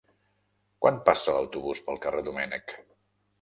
Quan passa l'autobús pel carrer Domènech?